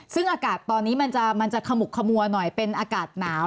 ซึ่งอากาศตอนนี้มันจะขมุกขมัวหน่อยเป็นอากาศหนาว